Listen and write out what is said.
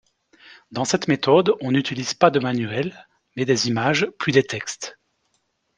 Dans cette méthode on n'utilise pas de manuel, mais des images puis des textes.